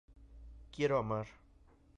Quiero amar.